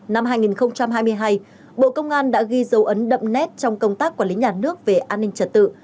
năm hai nghìn hai mươi hai bộ công an đã ghi dấu ấn đậm nét trong công tác quản lý nhà nước về an ninh trật tự